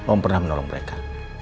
om pernah menolong mereka